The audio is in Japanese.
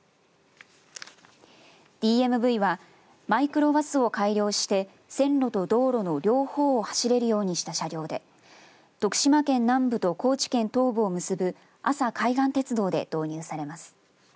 ＤＭＶはマイクロバスを改良して線路と道路の両方を走れるようにした車両で徳島県南部と高知県東部を結ぶ阿佐海岸鉄道で導入されます。